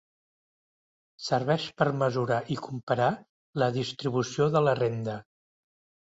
Serveix per mesurar i comparar la distribució de la renda.